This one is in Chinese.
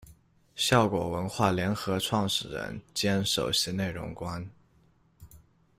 笑果文化联合创始人兼首席内容官。